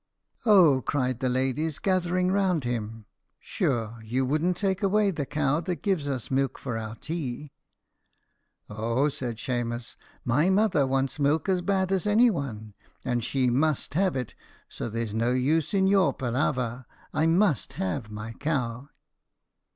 "Oh!" cried the ladies, gathering round him, "sure you wouldn't take away the cow that gives us milk for our tea?" "Oh!" said Shemus, "my mother wants milk as bad as anyone, and she must have it; so there is no use in your palaver I must have my cow."